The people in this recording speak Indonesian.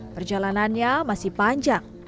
perjalanannya masih panjang